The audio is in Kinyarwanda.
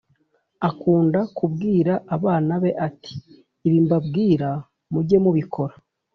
akunda kubwira abana be ati: “ibi mbabwira muge mubikora